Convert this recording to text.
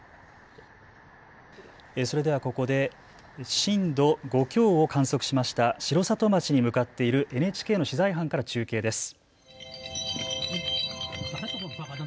それではここで震度５強を観測しました城里町に向かっているＮＨＫの取材班から中継です。